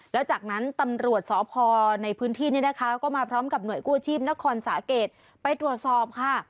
แล้วจากนั้นตำรวจสพในพื้นที่นี่นะคะก็มาพร้อมกับหน่วยกู้ชีพนครสาเกตไปตรวจสอบค่ะ